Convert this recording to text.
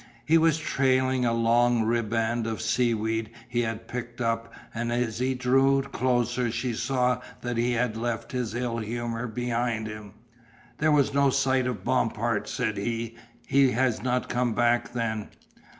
He was trailing a long ribband of seaweed he had picked up and as he drew closer she saw that he had left his ill humor behind him. "There was no sight of Bompard," said he, "he has not come back, then?"